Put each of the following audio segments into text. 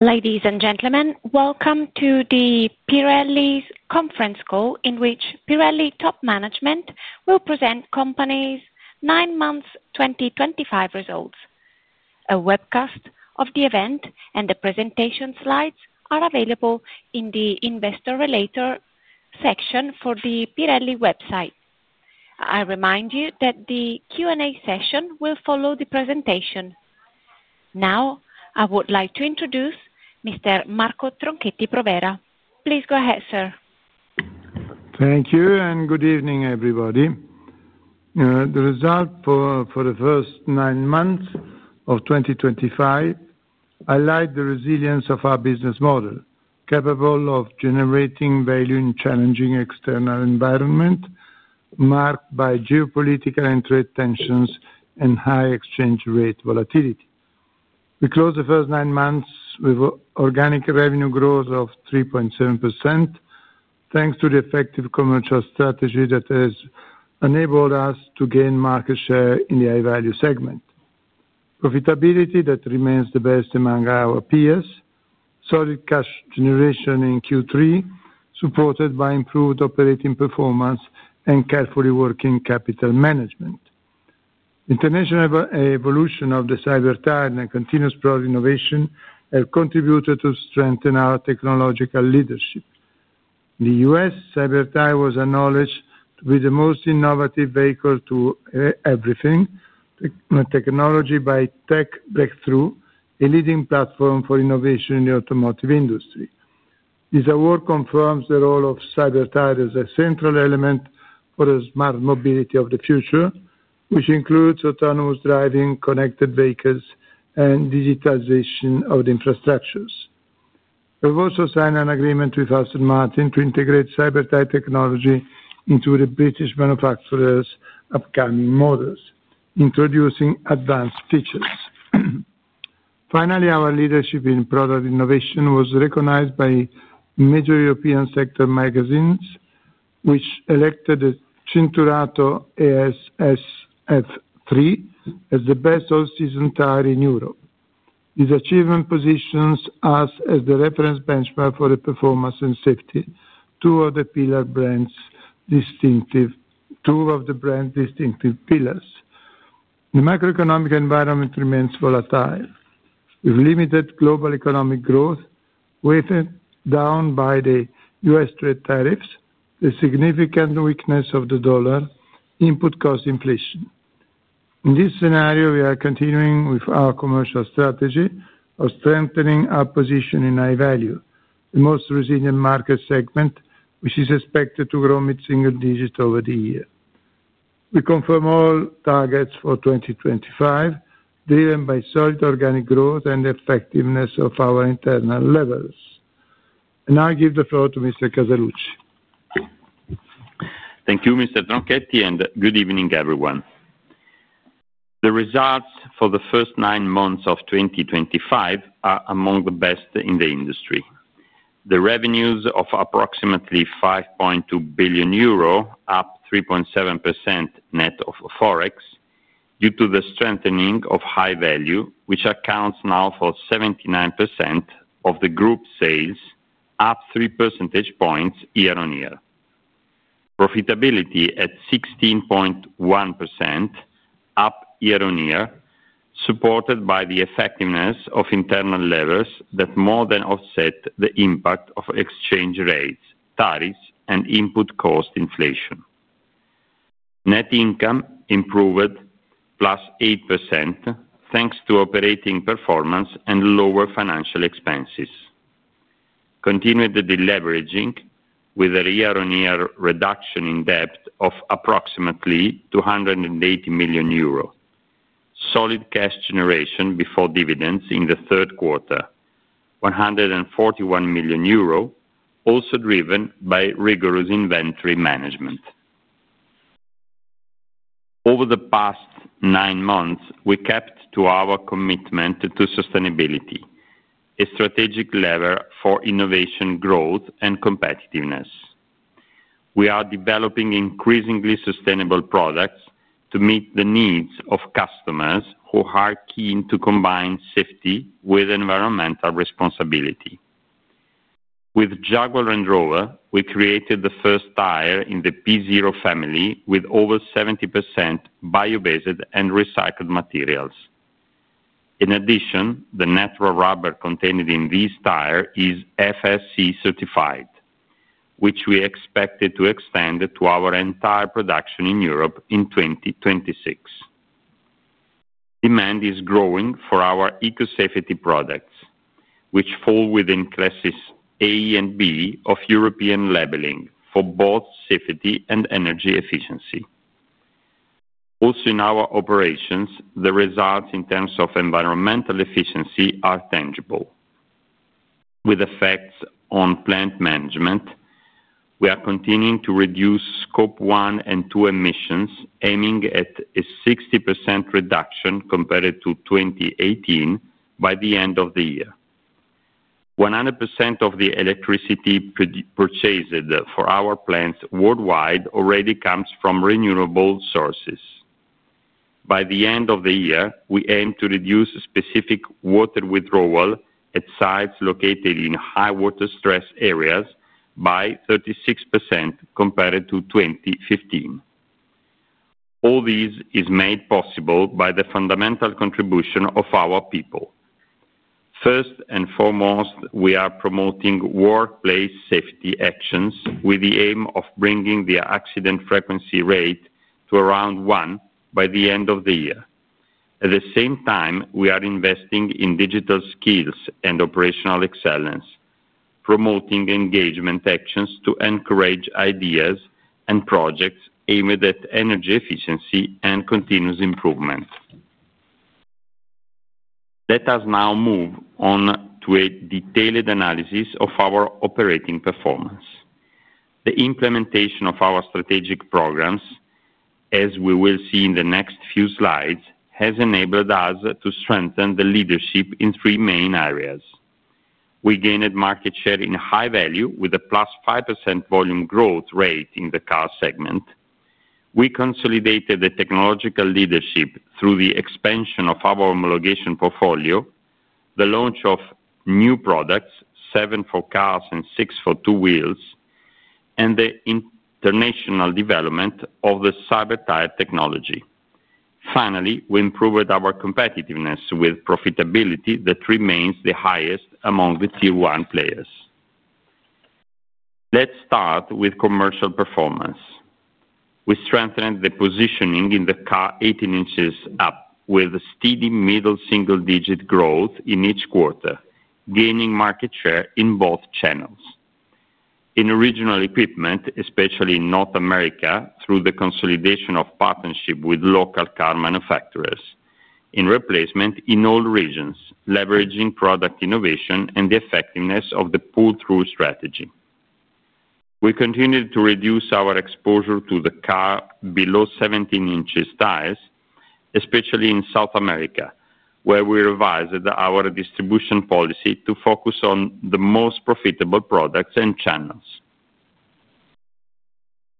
Ladies and gentlemen, welcome to Pirelli's Conference Call in which Pirelli top management will present the company's nine-month 2025 results. A webcast of the event and the presentation slides are available in the Investor Relations section of the Pirelli website. I remind you that the Q&A session will follow the presentation. Now, I would like to introduce Mr. Marco Tronchetti Provera. Please go ahead, sir. Thank you, and good evening, everybody. The result for the first nine months of 2025 highlight the resilience of our business model, capable of generating value in challenging external environments. Marked by geopolitical and trade tensions and high exchange rate volatility. We closed the first nine months with organic revenue growth of 3.7%. Thanks to the effective commercial strategy that has enabled us to gain market share in the high-value segment. Profitability that remains the best among our peers, solid cash generation in Q3, supported by improved operating performance and carefully working capital management. International evolution of the Cyber Tyre and continuous product innovation have contributed to strengthen our technological leadership. The U.S. Cyber Tyre was acknowledged to be the most innovative Vehicle-to-Everything technology by Tech Breakthrough, a leading platform for innovation in the automotive industry. This award confirms the role of Cyber Tyre as a central element for the smart mobility of the future, which includes autonomous driving, connected vehicles, and digitization of the infrastructures. We've also signed an agreement with Aston Martin to integrate Cyber Tyre technology into the British manufacturer's upcoming models, introducing advanced features. Finally, our leadership in product innovation was recognized by major European sector magazines, which elected the Cinturato All Season SF3 as the best all-season tire in Europe. This achievement positions us as the reference benchmark for the performance and safety of two of the brand's distinctive pillars. The macroeconomic environment remains volatile, with limited global economic growth, weighed down by the U.S. trade tariffs, the significant weakness of the dollar, and input-cost inflation. In this scenario, we are continuing with our commercial strategy of strengthening our position in high-value, the most resilient market segment, which is expected to grow mid-single digit over the year. We confirm all targets for 2025, driven by solid organic growth and the effectiveness of our internal levers. I give the floor to Mr. Casaluci. Thank you, Mr. Tronchetti, and good evening, everyone. The results for the first nine months of 2025 are among the best in the industry. The revenues of approximately 5.2 billion euro, up 3.7% net of forex, due to the strengthening of high value, which accounts now for 79% of the group sales, up 3 percentage points year-on-year. Profitability at 16.1%, up year-on-year, supported by the effectiveness of internal levers that more than offset the impact of exchange rates, tariffs, and input-cost inflation. Net income improved plus 8%, thanks to operating performance and lower financial expenses. Continued the deleveraging with a year-on-year reduction in debt of approximately 280 million euro. Solid cash generation before dividends in the third quarter, 141 million euro, also driven by rigorous inventory management. Over the past nine months, we kept to our commitment to sustainability, a strategic lever for innovation, growth, and competitiveness. We are developing increasingly sustainable products to meet the needs of customers who are keen to combine safety with environmental responsibility. With Jaguar Land Rover, we created the first tire in the P Zero family with over 70% bio-based and recycled materials. In addition, the natural rubber contained in this tire is FSC certified, which we expect to extend to our entire production in Europe in 2026. Demand is growing for our eco-safety products, which fall within classes A and B of European labeling for both safety and energy efficiency. Also, in our operations, the results in terms of environmental efficiency are tangible, with effects on plant management. We are continuing to reduce Scope 1 and 2 emissions, aiming at a 60% reduction compared to 2018 by the end of the year. 100% of the electricity purchased for our plants worldwide already comes from renewable sources. By the end of the year, we aim to reduce specific water withdrawal at sites located in high water stress areas by 36% compared to 2015. All this is made possible by the fundamental contribution of our people. First and foremost, we are promoting workplace safety actions with the aim of bringing the accident frequency rate to around one by the end of the year. At the same time, we are investing in digital skills and operational excellence, promoting engagement actions to encourage ideas and projects aimed at energy efficiency and continuous improvement. Let us now move on to a detailed analysis of our operating performance. The implementation of our strategic programs, as we will see in the next few slides, has enabled us to strengthen the leadership in three main areas. We gained market share in high value with a +5% volume growth rate in the car segment. We consolidated the technological leadership through the expansion of our homologation portfolio, the launch of new products, seven for cars and six for two wheels, and the international development of the Cyber Tyre technology. Finally, we improved our competitiveness with profitability that remains the highest among the Tier One players. Let's start with commercial performance. We strengthened the positioning in the car 18 inches up with steady middle single-digit growth in each quarter, gaining market share in both channels. In original equipment, especially in North America, through the consolidation of partnership with local car manufacturers, in replacement in all regions, leveraging product innovation and the effectiveness of the pull-through strategy. We continued to reduce our exposure to the car below 17 in tires, especially in South America, where we revised our distribution policy to focus on the most profitable products and channels.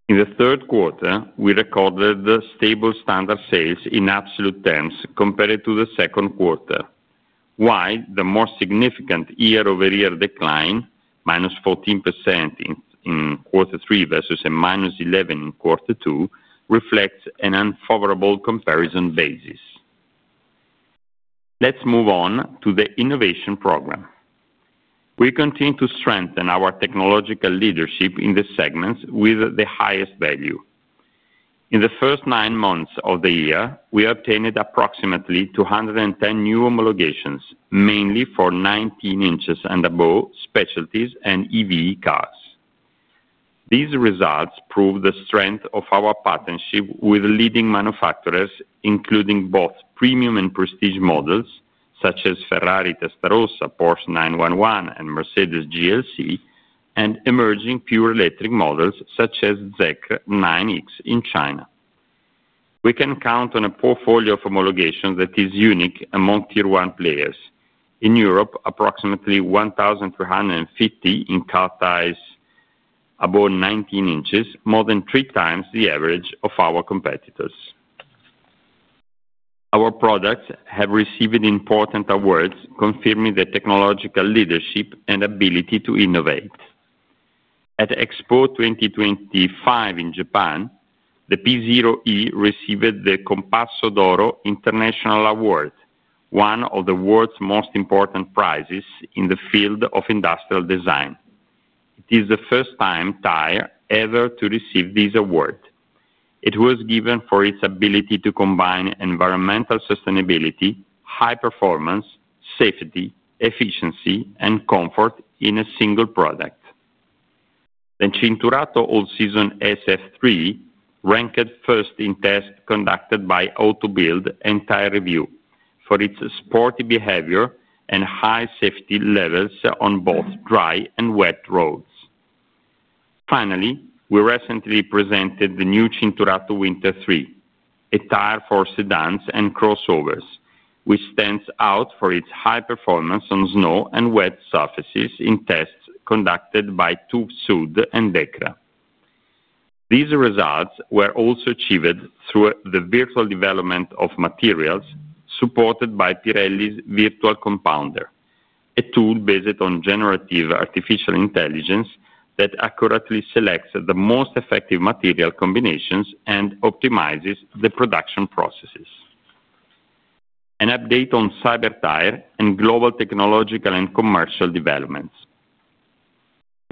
In the third quarter, we recorded stable standard sales in absolute terms compared to the second quarter, while the more significant year-over-year decline, -14%. In quarter three versus a minus 11 in quarter two, reflects an unfavorable comparison basis. Let's move on to the innovation program. We continue to strengthen our technological leadership in the segments with the highest value. In the first nine months of the year, we obtained approximately 210 new homologations, mainly for 19 inches and above specialties and EV cars. These results prove the strength of our partnership with leading manufacturers, including both premium and prestige models such as Ferrari Testarossa, Porsche 911, and Mercedes GLC, and emerging pure electric models such as Zeekr 9X in China. We can count on a portfolio of homologations that is unique among Tier One players. In Europe, approximately 1,350 in car tires. Above 19 inches, more than three times the average of our competitors. Our products have received important awards confirming the technological leadership and ability to innovate. At Expo 2025 in Japan, the P Zero E received the Compasso d'Oro International Award. One of the world's most important prizes in the field of industrial design. It is the first time a tire ever to receive this award. It was given for its ability to combine environmental sustainability, high performance, safety, efficiency, and comfort in a single product. The Cinturato All Season SF3 ranked first in tests conducted by Auto Bild and Tyre Review for its sporty behavior and high safety levels on both dry and wet roads. Finally, we recently presented the new Cinturato Winter 3, a tire for sedans and crossovers, which stands out for its high performance on snow and wet surfaces in tests conducted by TÜV SÜD and DEKRA. These results were also achieved through the virtual development of materials supported by Pirelli's Virtual Compounder, a tool based on generative artificial intelligence that accurately selects the most effective material combinations and optimizes the production processes. An update on Cyber Tyre and global technological and commercial developments.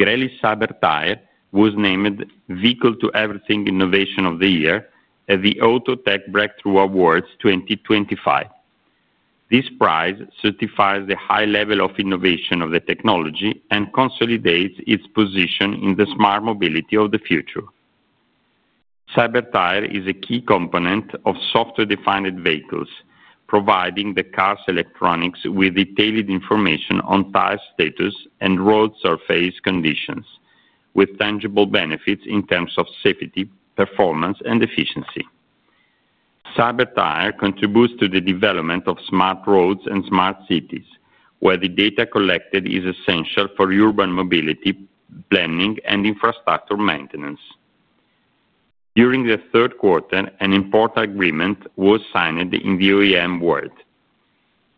Pirelli Cyber Tyre was named Vehicle-to-Everything Innovation of the Year at the Auto Tech Breakthrough Awards 2025. This prize certifies the high level of innovation of the technology and consolidates its position in the smart mobility of the future. Cyber Tyre is a key component of software-defined vehicles, providing the car's electronics with detailed information on tire status and road surface conditions, with tangible benefits in terms of safety, performance, and efficiency. Cyber Tyre contributes to the development of smart roads and smart cities, where the data collected is essential for urban mobility, planning, and infrastructure maintenance. During the third quarter, an important agreement was signed in the EU and world.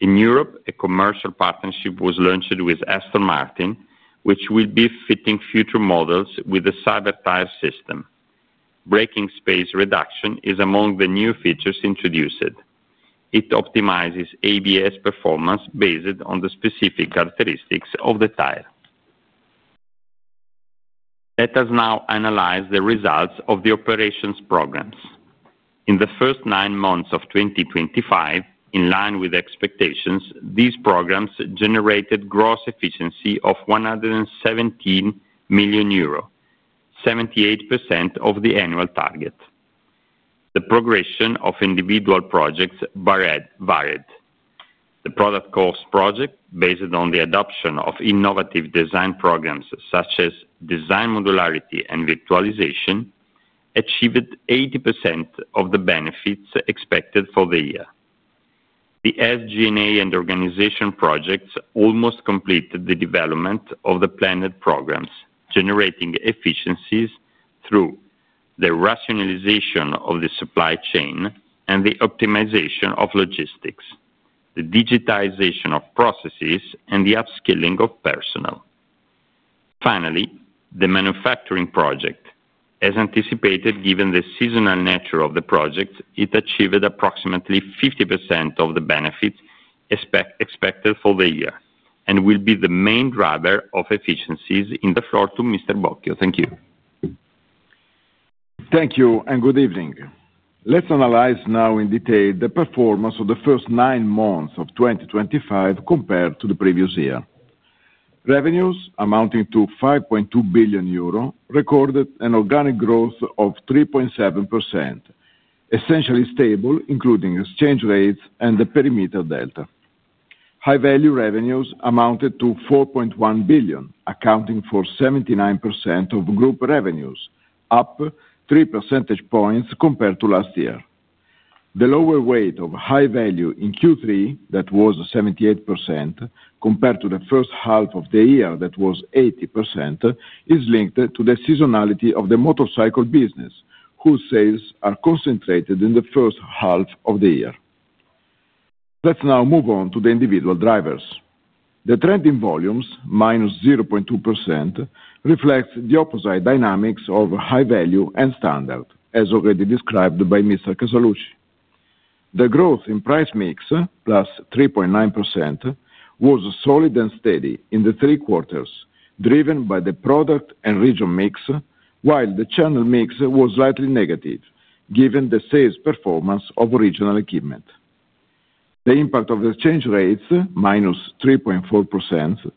In Europe, a commercial partnership was launched with Aston Martin, which will be fitting future models with the Cyber Tyre system. Braking space reduction is among the new features introduced. It optimizes ABS performance based on the specific characteristics of the tire. Let us now analyze the results of the operations programs. In the first nine months of 2025, in line with expectations, these programs generated gross efficiency of 117 million euro, 78% of the annual target. The progression of individual projects varied. The Product Cost Project, based on the adoption of innovative design programs such as design modularity and virtualization, achieved 80% of the benefits expected for the year. The SG&A and organization projects almost completed the development of the planned programs, generating efficiencies through. The rationalization of the supply chain and the optimization of logistics, the digitization of processes, and the upskilling of personnel. Finally, the Manufacturing Project, as anticipated given the seasonal nature of the project, achieved approximately 50% of the benefits expected for the year and will be the main driver of efficiencies in. The floor to Mr. Bocchio. Thank you. Thank you and good evening. Let's analyze now in detail the performance of the first nine months of 2025 compared to the previous year. Revenues, amounting to 5.2 billion euro, recorded an organic growth of 3.7%. Essentially stable, including exchange rates and the perimeter delta. High-value revenues amounted to 4.1 billion, accounting for 79% of group revenues, up 3 percentage points compared to last year. The lower weight of high value in Q3, that was 78%, compared to the first half of the year, that was 80%, is linked to the seasonality of the motorcycle business, whose sales are concentrated in the first half of the year. Let's now move on to the individual drivers. The trend in volumes, minus 0.2%, reflects the opposite dynamics of high value and standard, as already described by Mr. Casaluci. The growth in price mix, plus 3.9%, was solid and steady in the three quarters, driven by the product and region mix, while the channel mix was slightly negative, given the sales performance of original equipment. The impact of the exchange rates, minus 3.4%,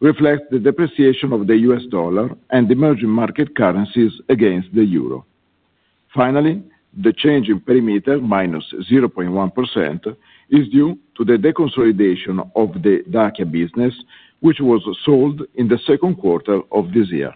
reflects the depreciation of the U.S. dollar and emerging market currencies against the euro. Finally, the change in perimeter, minus 0.1%, is due to the deconsolidation of the Dacia business, which was sold in the second quarter of this year.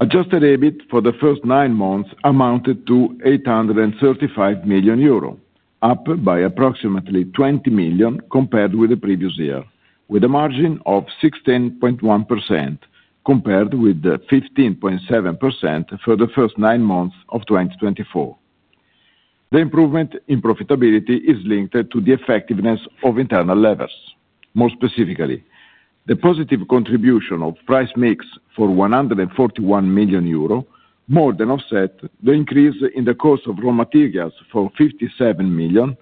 Adjusted EBIT for the first nine months amounted to 835 million euro, up by approximately 20 million compared with the previous year, with a margin of 16.1% compared with the 15.7% for the first nine months of 2024. The improvement in profitability is linked to the effectiveness of internal levers. More specifically, the positive contribution of price mix for 141 million euro, more than offset the increase in the cost of raw materials for 57 million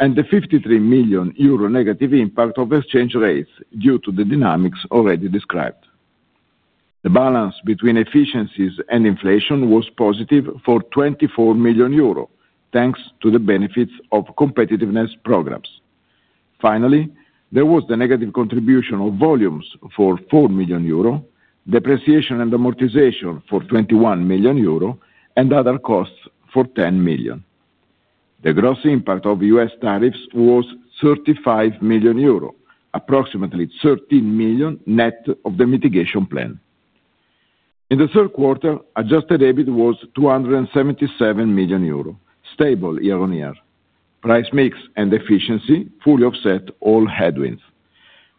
and the 53 million euro negative impact of exchange rates due to the dynamics already described. The balance between efficiencies and inflation was positive for 24 million euro, thanks to the benefits of competitiveness programs. Finally, there was the negative contribution of volumes for 4 million euro, depreciation and amortization for 21 million euro, and other costs for 10 million. The gross impact of U.S. tariffs was 35 million euro, approximately 13 million net of the mitigation plan. In the third quarter, Adjusted EBIT was 277 million euro, stable year on year. Price mix and efficiency fully offset all headwinds.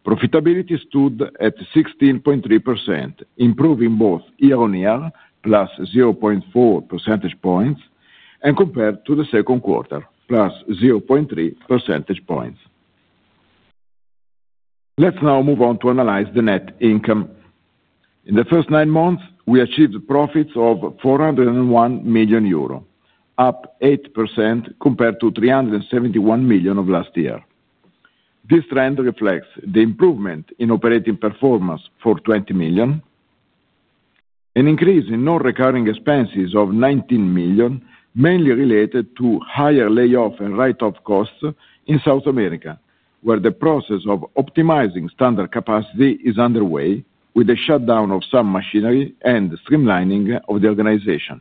Profitability stood at 16.3%, improving both year on year, plus 0.4 percentage points, and compared to the second quarter, plus 0.3 percentage points. Let's now move on to analyze the net income. In the first nine months, we achieved profits of 401 million euro, up 8% compared to 371 million of last year. This trend reflects the improvement in operating performance for 20 million. An increase in non-recurring expenses of 19 million, mainly related to higher layoff and write-off costs in South America, where the process of optimizing standard capacity is underway, with the shutdown of some machinery and the streamlining of the organization.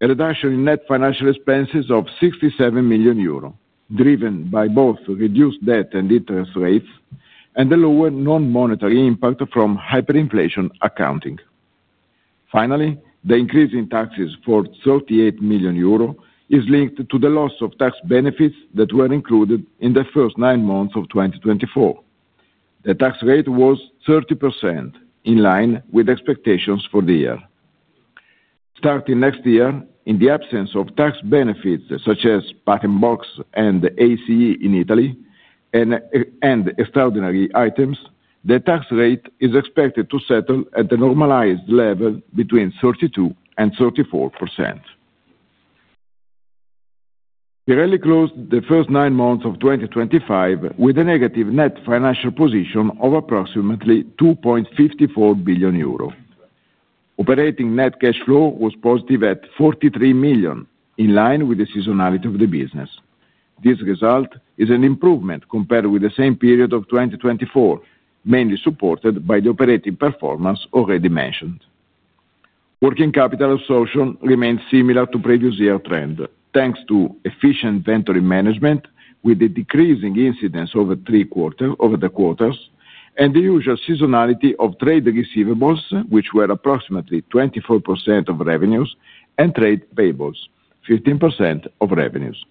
A reduction in net financial expenses of 67 million euro, driven by both reduced debt and interest rates, and a lower non-monetary impact from hyperinflation accounting. Finally, the increase in taxes for 38 million euro is linked to the loss of tax benefits that were included in the first nine months of 2024. The tax rate was 30%, in line with expectations for the year. Starting next year, in the absence of tax benefits such as Patent Box and ACE in Italy, and extraordinary items, the tax rate is expected to settle at a normalized level between 32% and 34%. Pirelli closed the first nine months of 2025 with a negative net financial position of approximately 2.54 billion euro. Operating net cash flow was positive at 43 million, in line with the seasonality of the business. This result is an improvement compared with the same period of 2024, mainly supported by the operating performance already mentioned. Working capital absorption remained similar to the previous year trend, thanks to efficient inventory management, with the decreasing incidence over three quarters, and the usual seasonality of trade receivables, which were approximately 24% of revenues, and trade payables, 15% of revenues.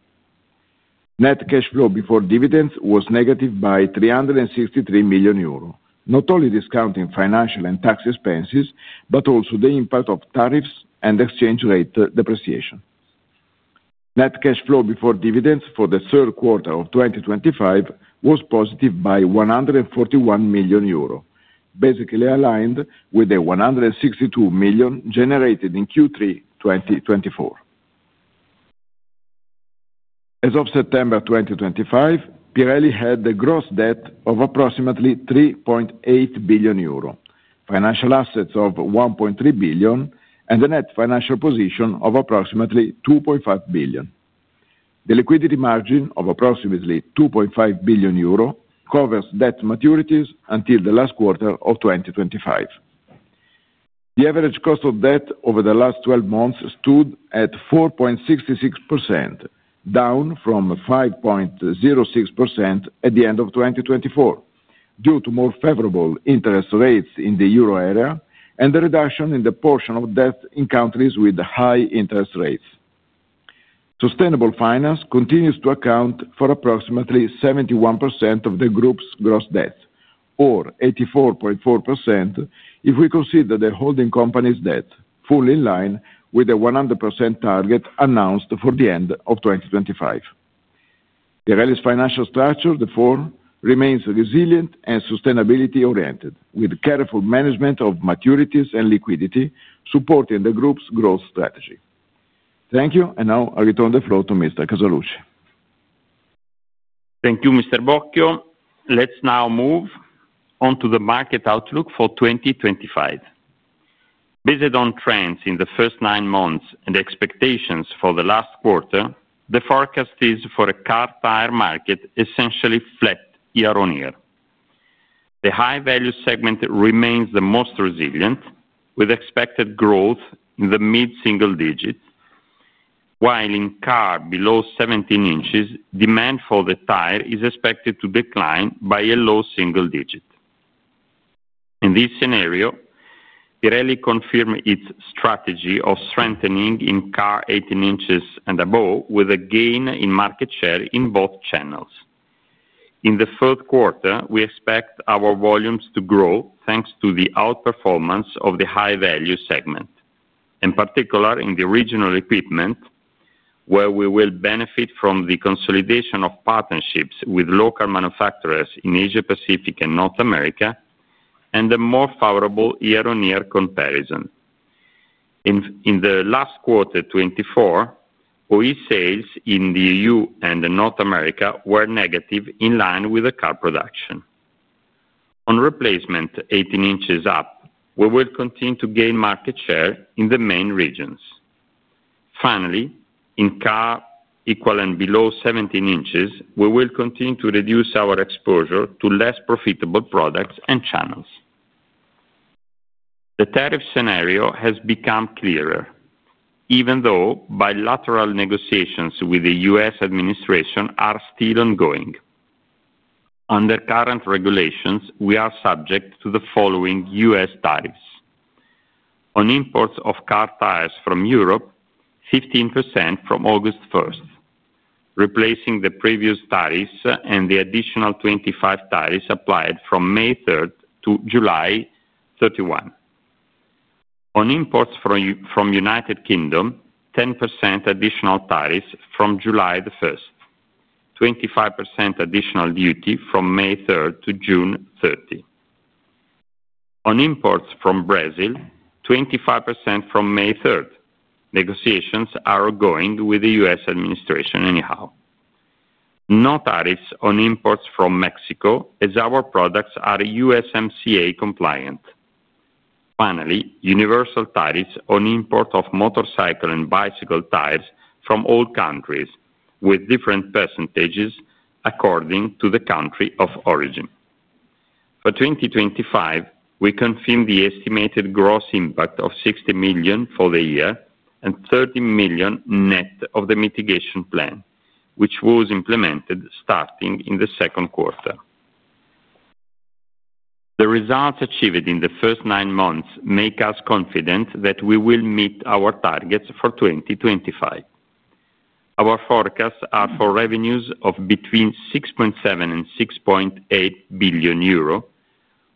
Net cash flow before dividends was negative by 363 million euro, not only discounting financial and tax expenses, but also the impact of tariffs and exchange rate depreciation. Net cash flow before dividends for the third quarter of 2025 was positive by 141 million euro, basically aligned with the 162 million generated in Q3 2024. As of September 2025, Pirelli had a gross debt of approximately 3.8 billion euro, financial assets of 1.3 billion, and a net financial position of approximately 2.5 billion. The liquidity margin of approximately 2.5 billion euro covers debt maturities until the last quarter of 2025. The average cost of debt over the last 12 months stood at 4.66%. Down from 5.06% at the end of 2024, due to more favorable interest rates in the euro area and the reduction in the portion of debt in countries with high interest rates. Sustainable finance continues to account for approximately 71% of the group's gross debt, or 84.4% if we consider the holding company's debt, fully in line with the 100% target announced for the end of 2025. Pirelli's financial structure, therefore, remains resilient and sustainability-oriented, with careful management of maturities and liquidity supporting the group's growth strategy. Thank you, and now I return the floor to Mr. Casaluci. Thank you, Mr. Bocchio. Let's now move on to the market outlook for 2025. Based on trends in the first nine months and expectations for the last quarter, the forecast is for a car tire market essentially flat year on year. The high-value segment remains the most resilient, with expected growth in the mid-single digits, while in cars below 17 inches, demand for the tire is expected to decline by a low single digit. In this scenario, Pirelli confirmed its strategy of strengthening in cars 18 inches and above, with a gain in market share in both channels. In the third quarter, we expect our volumes to grow thanks to the outperformance of the high-value segment, in particular in the regional equipment, where we will benefit from the consolidation of partnerships with local manufacturers in Asia-Pacific and North America, and a more favorable year-on-year comparison. In the last quarter, 2024. OE sales in the EU and North America were negative, in line with the car production. On replacement, 18 in up, we will continue to gain market share in the main regions. Finally, in cars equal and below 17 inches, we will continue to reduce our exposure to less profitable products and channels. The tariff scenario has become clearer, even though bilateral negotiations with the U.S. administration are still ongoing. Under current regulations, we are subject to the following U.S. tariffs. On imports of car tires from Europe, 15% from August 1, replacing the previous tariffs and the additional 25% tariffs applied from May 3 to July 31. On imports from the U.K., 10% additional tariffs from July 1. 25% additional duty from May 3 to June 30. On imports from Brazil, 25% from May 3. Negotiations are ongoing with the U.S. administration anyhow. No tariffs on imports from Mexico, as our products are USMCA compliant. Finally, universal tariffs on import of motorcycle and bicycle tires from all countries, with different percentages according to the country of origin. For 2025, we confirmed the estimated gross impact of 60 million for the year and 30 million net of the mitigation plan, which was implemented starting in the second quarter. The results achieved in the first nine months make us confident that we will meet our targets for 2025. Our forecasts are for revenues of between 6.7 billion-6.8 billion euro,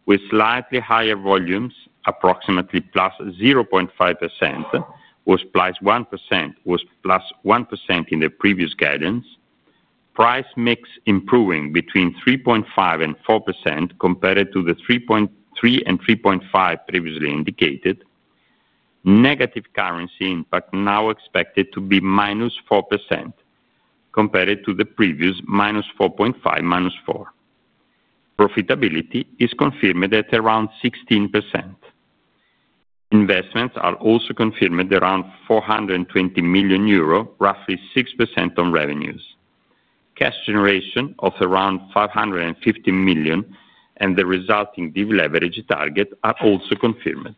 with slightly higher volumes, approximately plus 0.5%. Where supply 1% was plus 1% in the previous guidance. Price mix improving between 3.5%-4% compared to the 3.3%-3.5% previously indicated. Negative currency impact now expected to be minus 4%. Compared to the previous minus 4.5%, minus 4%. Profitability is confirmed at around 16%. Investments are also confirmed at around 420 million euro, roughly 6% on revenues. Cash generation of around 550 million and the resulting devaluation target are also confirmed.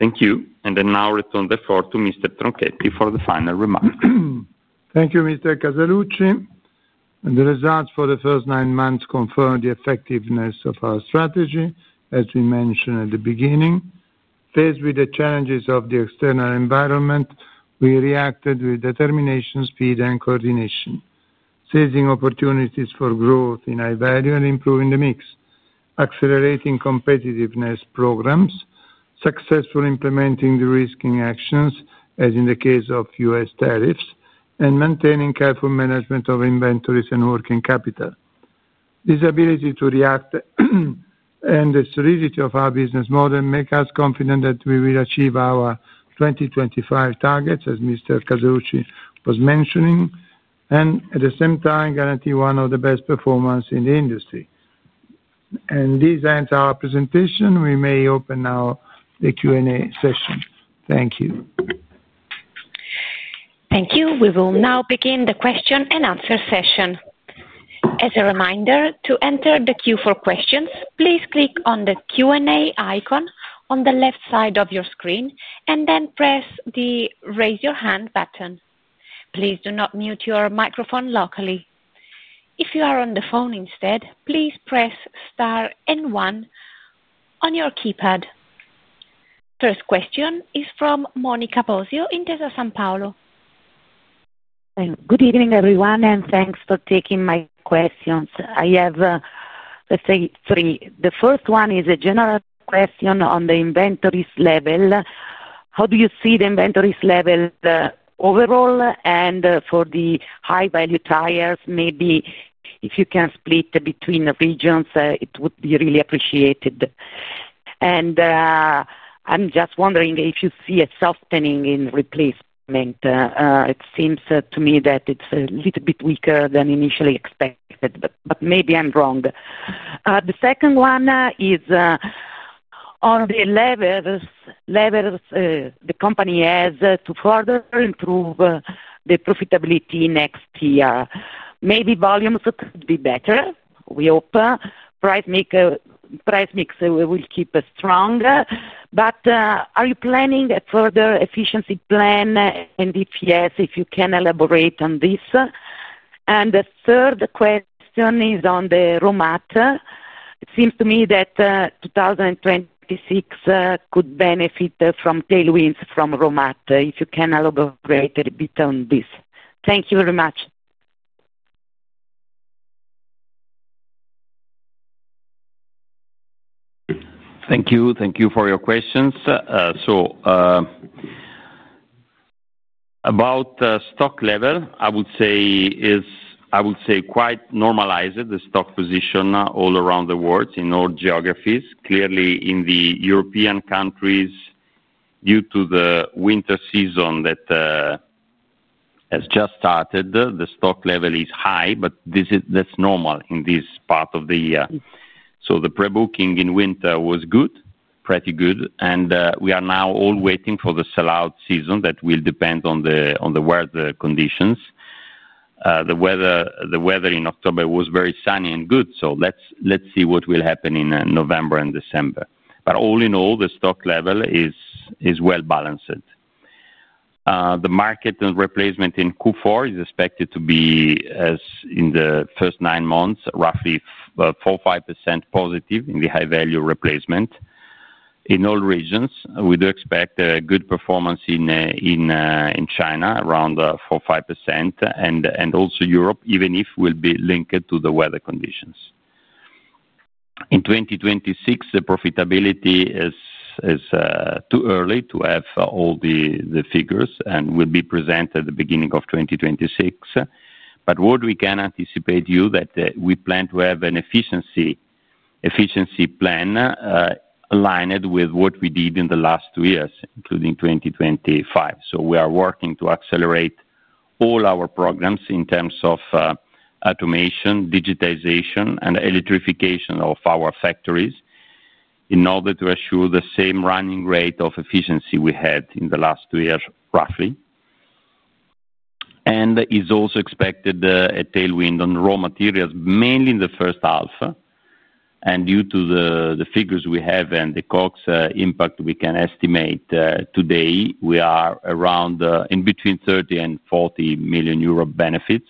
Thank you, and I now return the floor to Mr. Tronchetti for the final remarks. Thank you, Mr. Casaluci. The results for the first nine months confirmed the effectiveness of our strategy, as we mentioned at the beginning. Faced with the challenges of the external environment, we reacted with determination, speed, and coordination, seizing opportunities for growth in high value and improving the mix, accelerating competitiveness programs, successfully implementing the risking actions, as in the case of U.S. tariffs, and maintaining careful management of inventories and working capital. This ability to react and the serenity of our business model make us confident that we will achieve our 2025 targets, as Mr. Casaluci was mentioning, and at the same time guarantee one of the best performances in the industry. This ends our presentation. We may open now the Q&A session. Thank you. Thank you. We will now begin the question and answer session. As a reminder, to enter the queue for questions, please click on the Q&A icon on the left side of your screen and then press the raise your hand button. Please do not mute your microphone locally. If you are on the phone instead, please press star and one on your keypad. First question is from Monica Bosio in Intesa SanPaolo. Good evening, everyone, and thanks for taking my questions. I have, let's say, three. The first one is a general question on the inventories level. How do you see the inventories level overall? For the high-value tires, maybe if you can split between regions, it would be really appreciated. I'm just wondering if you see a softening in replacement. It seems to me that it's a little bit weaker than initially expected, but maybe I'm wrong. The second one is on the levers the company has to further improve the profitability next year. Maybe volumes could be better, we hope. Price mix will keep strong. Are you planning a further efficiency plan? If yes, if you can elaborate on this. The third question is on the raw matter. It seems to me that 2026 could benefit from tailwinds from raw matter, if you can elaborate a bit on this. Thank you very much. Thank you. Thank you for your questions. About stock level, I would say quite normalized, the stock position all around the world in all geographies. Clearly, in the European countries, due to the winter season that has just started, the stock level is high, but that is normal in this part of the year. The pre-booking in winter was good, pretty good, and we are now all waiting for the sellout season that will depend on the weather conditions. The weather in October was very sunny and good, so let us see what will happen in November and December. All in all, the stock level is well balanced. The market and replacement in Q4 is expected to be, as in the first nine months, roughly 4%-5% positive in the high-value replacement. In all regions, we do expect a good performance in. China, around 4%, 5%, and also Europe, even if it will be linked to the weather conditions. In 2026, the profitability is too early to have all the figures and will be presented at the beginning of 2026. What we can anticipate is that we plan to have an efficiency plan aligned with what we did in the last two years, including 2025. We are working to accelerate all our programs in terms of automation, digitization, and electrification of our factories in order to assure the same running rate of efficiency we had in the last two years, roughly. It is also expected a tailwind on raw materials, mainly in the first half. Due to the figures we have and the COGS impact we can estimate today, we are around in between 30 million and 40 million euro benefits,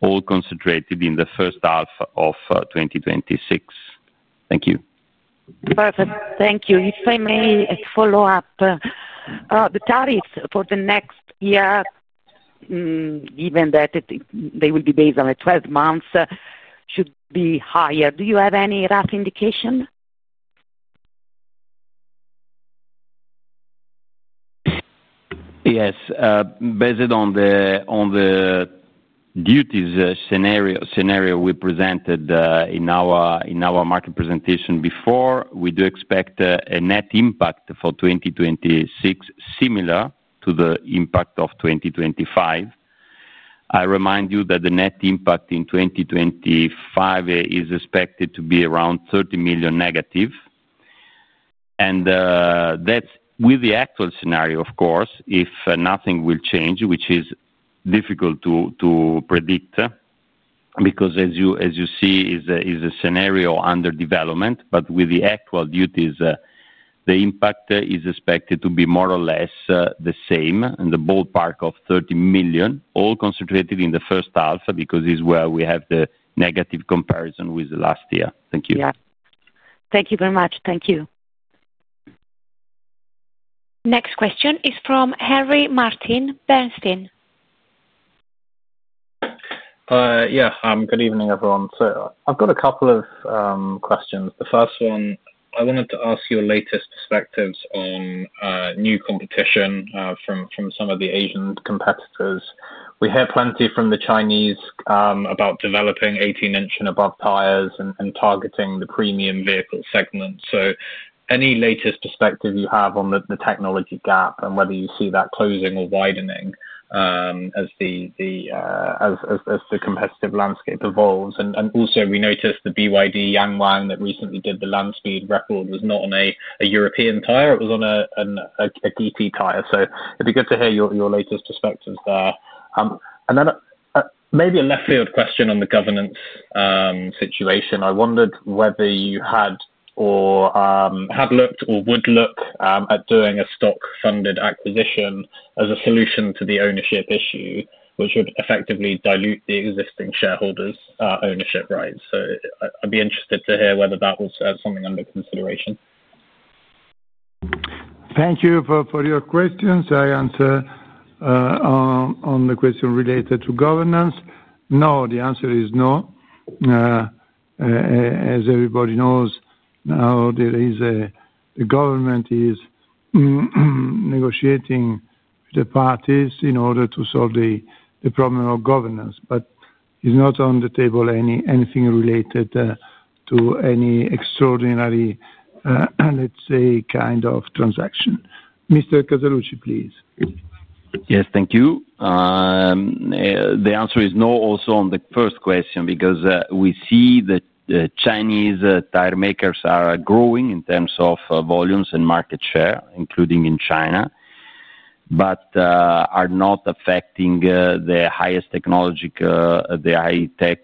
all concentrated in the first half of 2026. Thank you. Perfect. Thank you. If I may follow up. The tariffs for the next year, given that they will be based on 12 months, should be higher. Do you have any rough indication? Yes. Based on the duties scenario we presented in our market presentation before, we do expect a net impact for 2026 similar to the impact of 2025. I remind you that the net impact in 2025 is expected to be around 30 million negative. That is with the actual scenario, of course, if nothing will change, which is difficult to predict. Because, as you see, it is a scenario under development, but with the actual duties, the impact is expected to be more or less the same, in the ballpark of 30 million, all concentrated in the first half because it is where we have the negative comparison with last year. Thank you. Yeah. Thank you very much. Thank you. Next question is from Harry Martin at Bernstein. Yeah. Good evening, everyone. I've got a couple of questions. The first one, I wanted to ask your latest perspectives on new competition from some of the Asian competitors. We hear plenty from the Chinese about developing 18-inch and above tires and targeting the premium vehicle segment. Any latest perspective you have on the technology gap and whether you see that closing or widening as the competitive landscape evolves? Also, we noticed the BYD YANGWANG that recently did the land speed record was not on a European tire; it was on a GT tire. It would be good to hear your latest perspectives there. Maybe a left-field question on the governance situation. I wondered whether you had looked or would look at doing a stock-funded acquisition as a solution to the ownership issue, which would effectively dilute the existing shareholders' ownership rights. I'd be interested to hear whether that was something under consideration. Thank you for your questions. I answer. On the question related to governance. No, the answer is no. As everybody knows, now the government is negotiating with the parties in order to solve the problem of governance, but it's not on the table anything related to any extraordinary, let's say, kind of transaction. Mr. Casaluci, please. Yes, thank you. The answer is no also on the first question because we see the Chinese tire makers are growing in terms of volumes and market share, including in China. But are not affecting the highest technological, the high-tech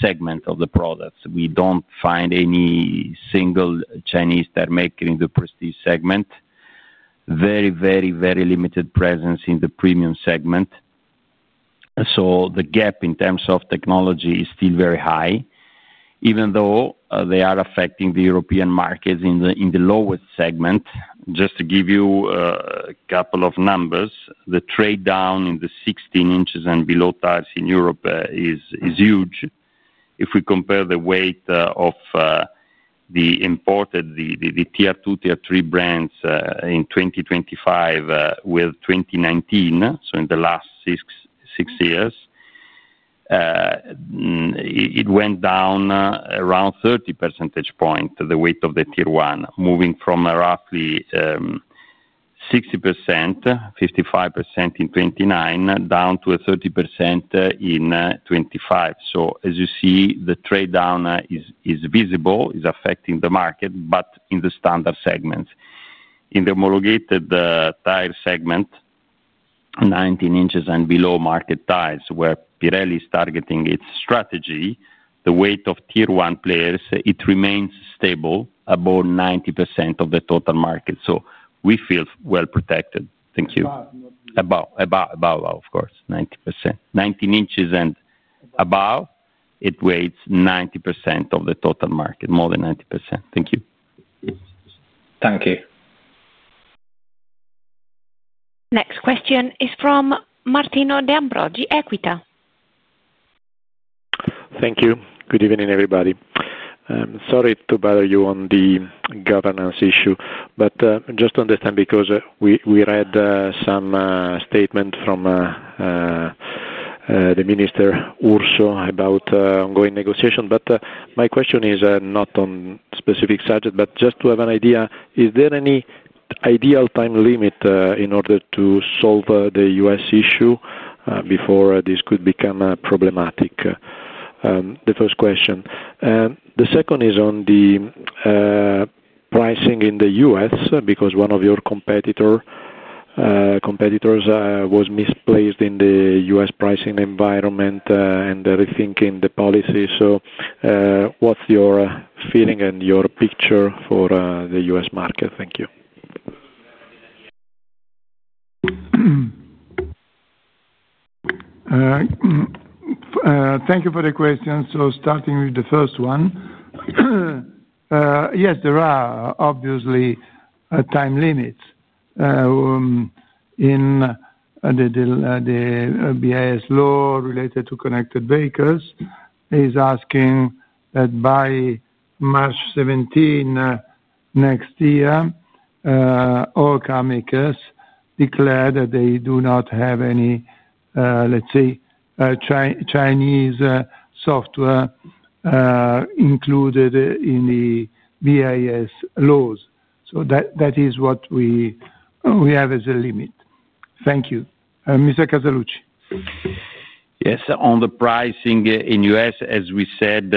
segment of the products. We do not find any single Chinese tire maker in the prestige segment. Very, very, very limited presence in the premium segment. So the gap in terms of technology is still very high. Even though they are affecting the European markets in the lowest segment. Just to give you a couple of numbers, the trade down in the 16 inches and below tires in Europe is huge. If we compare the weight of the imported, the Tier 2, Tier 3 brands in 2025 with 2019, so in the last six years. It went down around 30 percentage points, the weight of the Tier 1, moving from roughly. 60%, 55% in 2029, down to 30% in 2025. As you see, the trade down is visible, is affecting the market, but in the standard segments. In the homologated tire segment, 19 inches and below market tires, where Pirelli is targeting its strategy, the weight of Tier 1 players remains stable above 90% of the total market. We feel well protected. Thank you. Above. Above, of course. 90%. 19 inches and above, it weighs 90% of the total market, more than 90%. Thank you. Thank you. Next question is from Martino De Ambroggi, Equita. Thank you. Good evening, everybody. I'm sorry to bother you on the governance issue, but just to understand because we read some statement from the Minister Urso about ongoing negotiations. My question is not on a specific subject, but just to have an idea, is there any ideal time limit in order to solve the U.S. issue before this could become problematic? The first question. The second is on the pricing in the U.S. because one of your competitors was misplaced in the U.S. pricing environment and rethinking the policy. What's your feeling and your picture for the U.S. market? Thank you. Thank you for the question. Starting with the first one. Yes, there are obviously time limits. In the BIS law related to connected vehicles, it is asking that by March 17 next year, all car makers declare that they do not have any, let's say, Chinese software included in the BIS laws. That is what we have as a limit. Thank you, Mr. Casaluci. Yes. On the pricing in the U.S., as we said.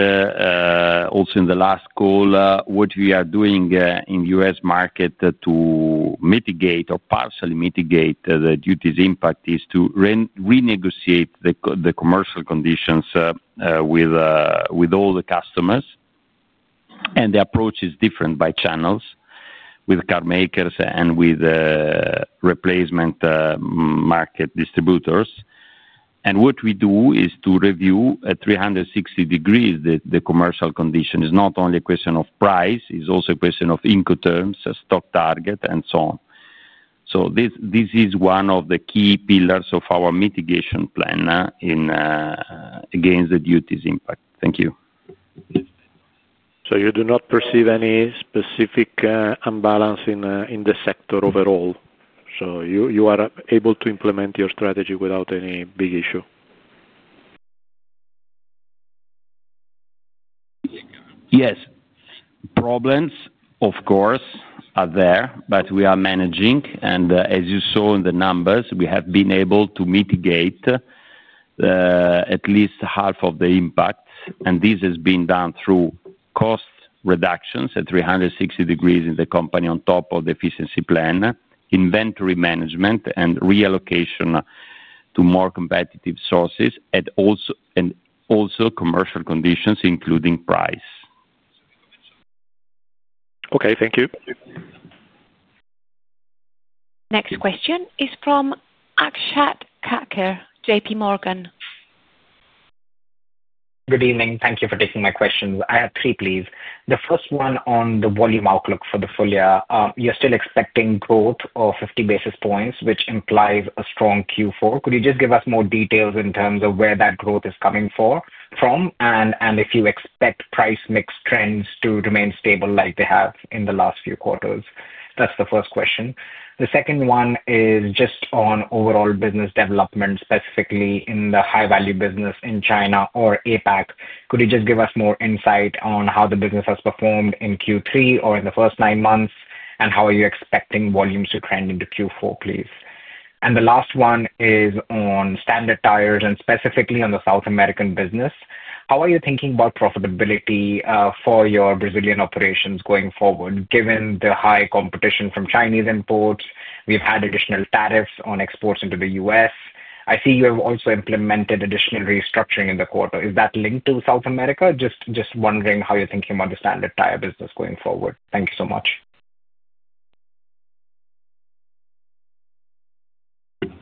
Also in the last call, what we are doing in the U.S. market to mitigate or partially mitigate the duties impact is to renegotiate the commercial conditions with all the customers. The approach is different by channels with car makers and with replacement market distributors. What we do is to review at 360 degrees the commercial conditions. It's not only a question of price, it's also a question of income terms, stock target, and so on. This is one of the key pillars of our mitigation plan against the duties impact. Thank you. You do not perceive any specific imbalance in the sector overall? You are able to implement your strategy without any big issue? Yes. Problems, of course, are there, but we are managing. As you saw in the numbers, we have been able to mitigate at least half of the impact. This has been done through cost reductions at 360 degrees in the company on top of the efficiency plan, inventory management, and reallocation to more competitive sources, and also commercial conditions, including price. Okay. Thank you. Next question is from Akshat Kacker, JPMorgan. Good evening. Thank you for taking my questions. I have three, please. The first one on the volume outlook for the full year, you're still expecting growth of 50 basis points, which implies a strong Q4. Could you just give us more details in terms of where that growth is coming from and if you expect price mix trends to remain stable like they have in the last few quarters? That's the first question. The second one is just on overall business development, specifically in the high-value business in China or Asia-Pacific. Could you just give us more insight on how the business has performed in Q3 or in the first nine months, and how are you expecting volumes to trend into Q4, please? The last one is on standard tires and specifically on the South American business. How are you thinking about profitability for your Brazilian operations going forward, given the high competition from Chinese imports? We have had additional tariffs on exports into the U.S. I see you have also implemented additional restructuring in the quarter. Is that linked to South America? Just wondering how you are thinking about the standard tire business going forward. Thank you so much.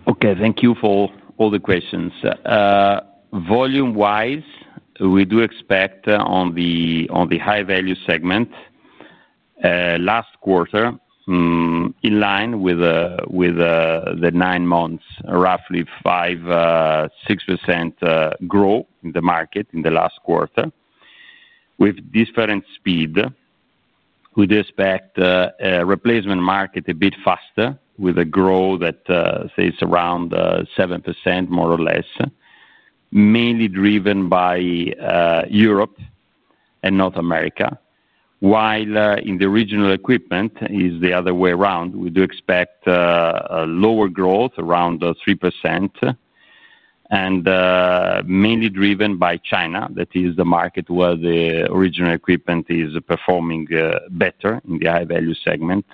Okay. Thank you for all the questions. Volume-wise, we do expect on the high-value segment last quarter in line with the nine months, roughly 5%-6% growth in the market in the last quarter. With different speed, we do expect a replacement market a bit faster with a growth that stays around 7%, more or less, mainly driven by Europe and North America. While in the original equipment, it is the other way around, we do expect lower growth, around 3%, and mainly driven by China. That is the market where the original equipment is performing better in the high-value segment,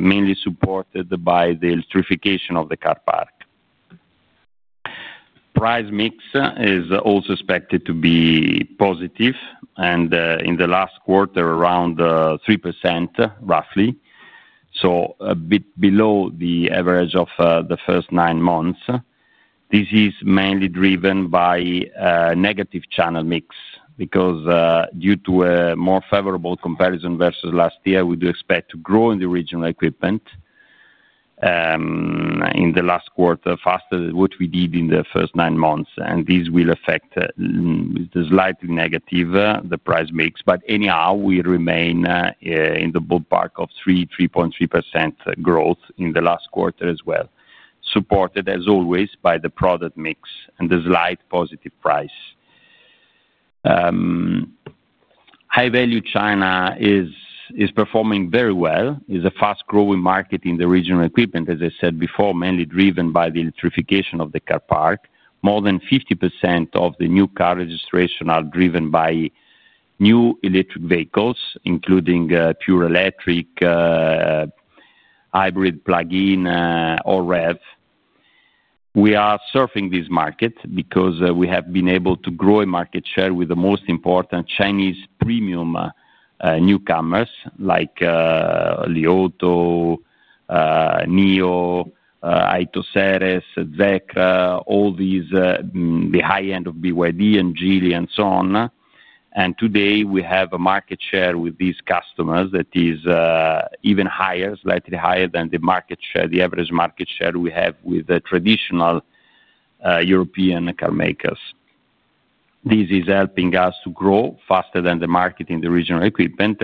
mainly supported by the electrification of the car park. Price mix is also expected to be positive and in the last quarter, around 3%, roughly, so a bit below the average of the first nine months. This is mainly driven by. Negative channel mix because due to a more favorable comparison versus last year, we do expect to grow in the original equipment. In the last quarter faster than what we did in the first nine months. This will affect slightly negative, the price mix. Anyhow, we remain in the ballpark of 3%-3.3% growth in the last quarter as well. Supported, as always, by the product mix and the slight positive price. High-value China is performing very well. It is a fast-growing market in the original equipment, as I said before, mainly driven by the electrification of the car park. More than 50% of the new car registrations are driven by new electric vehicles, including pure electric, hybrid plug-in, or rev. We are surfing this market because we have been able to grow our market share with the most important Chinese premium newcomers like Li Auto, NIO. AITO, SERES, Zeekr, all these, the high-end of BYD and Geely and so on. Today, we have a market share with these customers that is even higher, slightly higher than the average market share we have with traditional European car makers. This is helping us to grow faster than the market in the regional equipment.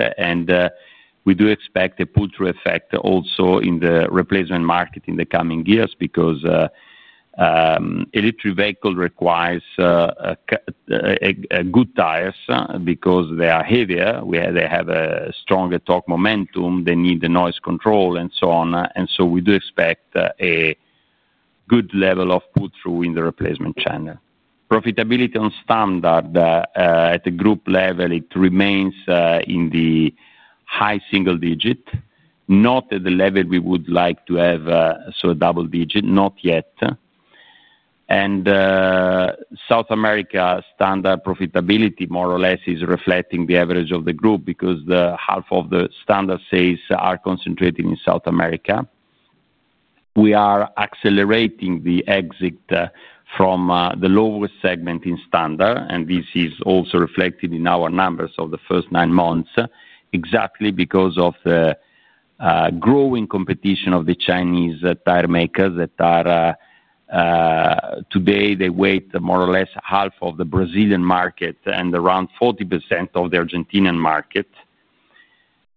We do expect a pull-through effect also in the replacement market in the coming years because electric vehicles require good tires because they are heavier, they have a stronger torque momentum, they need the noise control, and so on. We do expect a good level of pull-through in the replacement channel. Profitability on standard at the group level, it remains in the high single digit, not at the level we would like to have, double digit, not yet. South America standard profitability, more or less, is reflecting the average of the group because half of the standard sales are concentrated in South America. We are accelerating the exit from the lowest segment in standard, and this is also reflected in our numbers of the first nine months, exactly because of the growing competition of the Chinese tire makers that are today, they weigh more or less half of the Brazilian market and around 40% of the Argentinian market.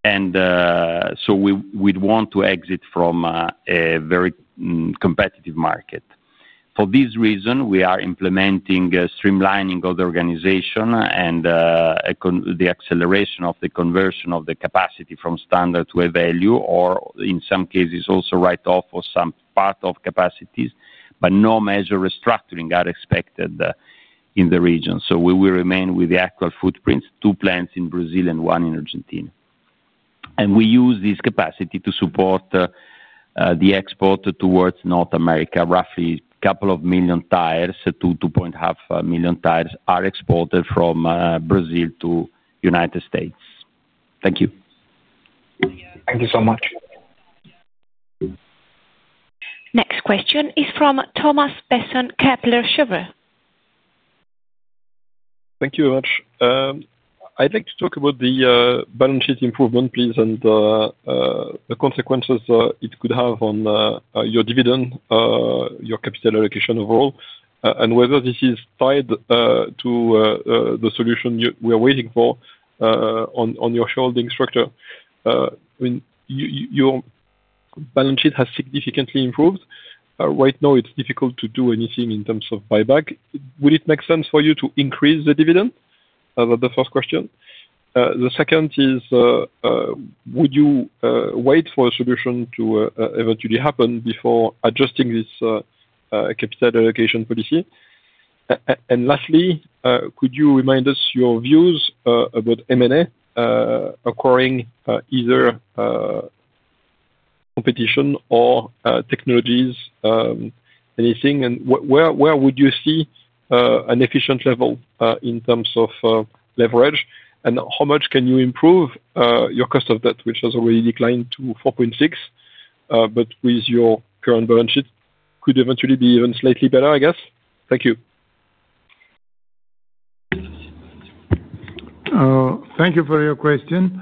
We would want to exit from a very competitive market. For this reason, we are implementing streamlining of the organization and the acceleration of the conversion of the capacity from standard to a value, or in some cases, also write-off of some part of capacities, but no major restructuring are expected in the region. We will remain with the actual footprint, two plants in Brazil and one in Argentina. We use this capacity to support the export towards North America. Roughly a couple of million tires, 2-2.5 million tires, are exported from Brazil to the United States. Thank you. Thank you so much. Next question is from Thomas Besson Kepler Cheuvreux. Thank you very much. I'd like to talk about the balance sheet improvement, please, and the consequences it could have on your dividend, your capital allocation overall, and whether this is tied to the solution we are waiting for on your shareholding structure. I mean, your balance sheet has significantly improved. Right now, it's difficult to do anything in terms of buyback. Would it make sense for you to increase the dividend? That's the first question. The second is, would you wait for a solution to eventually happen before adjusting this capital allocation policy? And lastly, could you remind us your views about M&A, acquiring either competition or technologies, anything? And where would you see an efficient level in terms of leverage? And how much can you improve your cost of debt, which has already declined to 4.6%? With your current balance sheet, could it eventually be even slightly better, I guess? Thank you. Thank you for your question.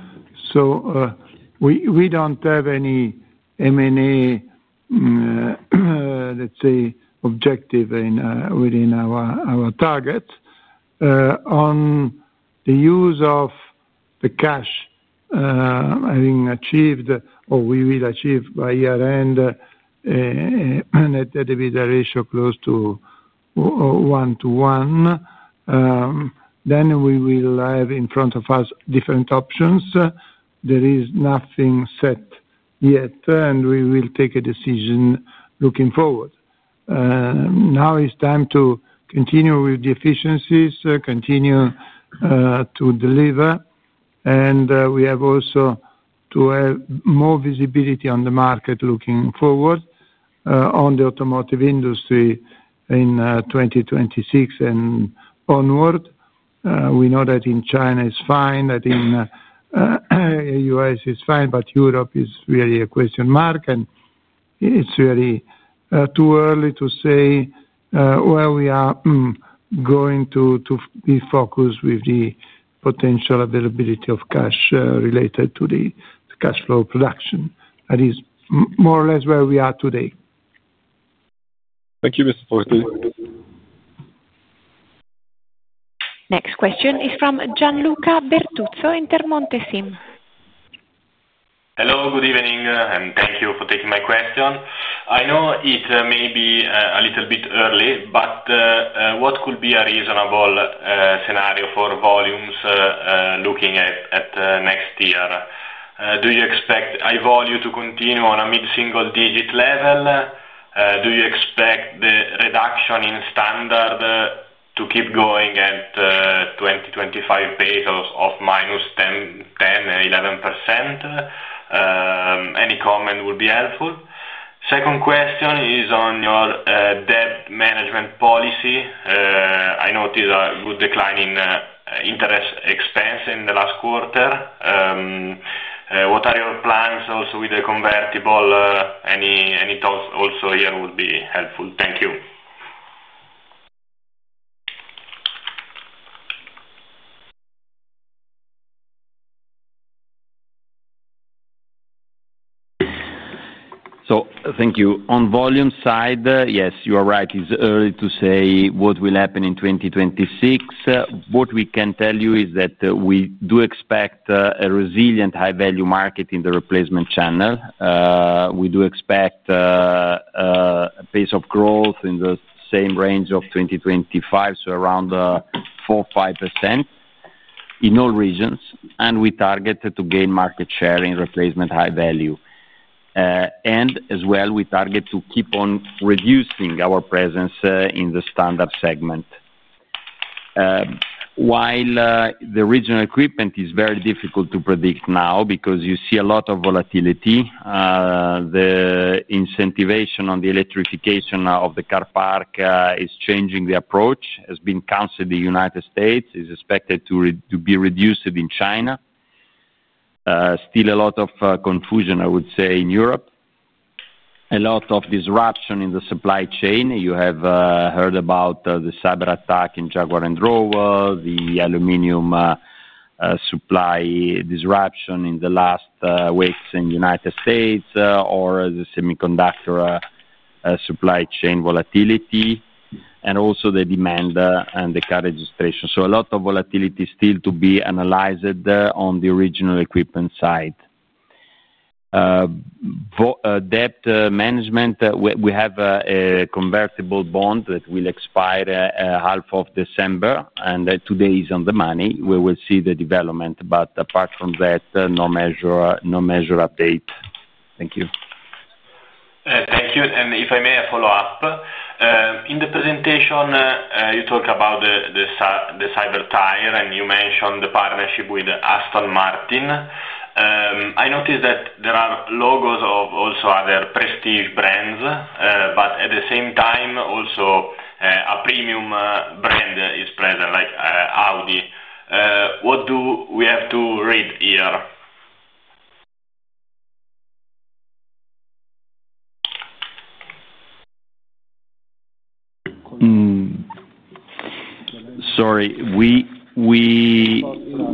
We do not have any M&A, let's say, objective within our target on the use of the cash. Having achieved, or we will achieve by year-end, a dividend ratio close to one to one, we will have in front of us different options. There is nothing set yet, and we will take a decision looking forward. Now it is time to continue with the efficiencies, continue to deliver, and we have also to have more visibility on the market looking forward. On the automotive industry in 2026 and onward, we know that in China is fine, that in the U.S. is fine, but Europe is really a question mark, and it is really too early to say where we are going to be focused with the potential availability of cash related to the cash flow production. That is more or less where we are today. Thank you, Mr. Casaluci. Next question is from Gianluca Bertuzzo Intermonte. Hello, good evening, and thank you for taking my question. I know it may be a little bit early, but what could be a reasonable scenario for volumes looking at next year? Do you expect high value volume to continue on a mid-single digit level? Do you expect the reduction in standard to keep going at 2025 pace of minus 10%-11%? Any comment would be helpful. Second question is on your debt management policy. I noticed a good decline in interest expense in the last quarter. What are your plans also with the convertible? Any thoughts also here would be helpful. Thank you. Thank you. On volume side, yes, you are right. It's early to say what will happen in 2026. What we can tell you is that we do expect a resilient high-value market in the replacement channel. We do expect a pace of growth in the same range of 2025, so around 4%-5%. In all regions. We target to gain market share in replacement high-value. As well, we target to keep on reducing our presence in the standard segment. While the regional equipment is very difficult to predict now because you see a lot of volatility. The incentivation on the electrification of the car park is changing the approach, has been canceled in the United States, is expected to be reduced in China. Still a lot of confusion, I would say, in Europe. A lot of disruption in the supply chain. You have heard about the cyber attack in Jaguar Land Rover, the aluminum supply disruption in the last weeks in the United States, or the semiconductor supply chain volatility, and also the demand and the car registration. A lot of volatility still to be analyzed on the original equipment side. Debt management, we have a convertible bond that will expire half of December, and today is on the money. We will see the development. Apart from that, no measure update. Thank you. Thank you. If I may follow up. In the presentation, you talk about the Cyber Tyre, and you mentioned the partnership with Aston Martin. I noticed that there are logos of also other prestige brands, but at the same time, also a premium brand is present, like Audi. What do we have to read here? Sorry.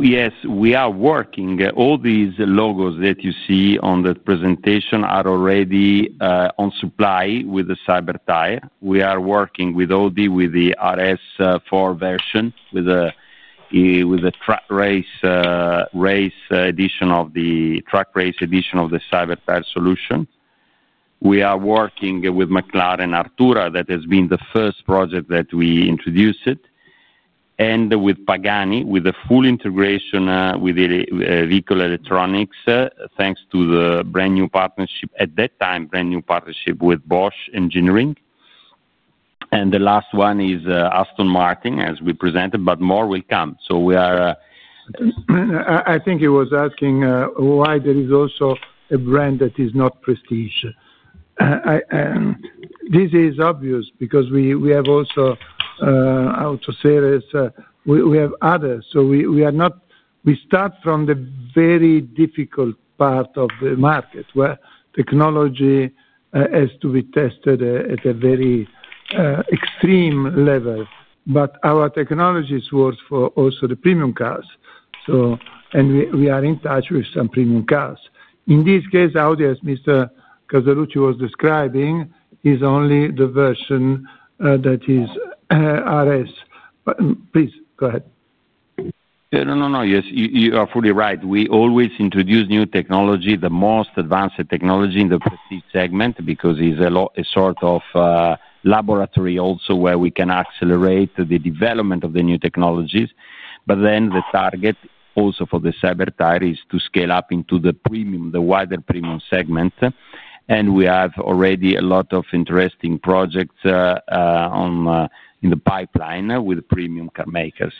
Yes, we are working. All these logos that you see on the presentation are already on supply with the Cyber Tyre. We are working with Audi, with the RS 4 version, with the track race edition of the Cyber Tyre solution. We are working with McLaren Artura that has been the first project that we introduced. And with Pagani, with the full integration with the vehicle electronics, thanks to the brand-new partnership, at that time, brand new partnership with Bosch Engineering. The last one is Aston Martin, as we presented, but more will come. We are. I think he was asking why there is also a brand that is not prestige. This is obvious because we have also auto series, we have others. We start from the very difficult part of the market where technology has to be tested at a very extreme level. Our technology is worth for also the premium cars. We are in touch with some premium cars. In this case, Audi, as Mr. Casaluci was describing, is only the version that is RS. Please, go ahead. Yeah, no, no. Yes, you are fully right. We always introduce new technology, the most advanced technology in the prestige segment because it's a sort of laboratory also where we can accelerate the development of the new technologies. The target also for the Cyber Tyre is to scale up into the premium, the wider premium segment. We have already a lot of interesting projects in the pipeline with premium car makers.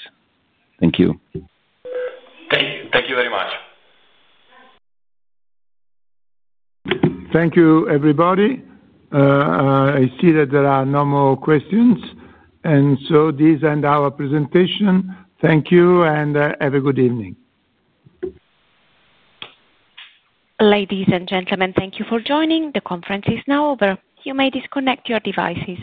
Thank you. Thank you very much. Thank you, everybody. I see that there are no more questions. This ends our presentation. Thank you and have a good evening. Ladies and gentlemen, thank you for joining. The conference is now over. You may disconnect your devices.